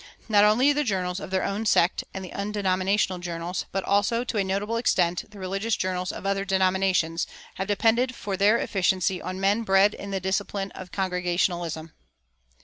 Not only the journals of their own sect and the undenominational journals, but also to a notable extent the religious journals of other denominations, have depended for their efficiency on men bred in the discipline of Congregationalism.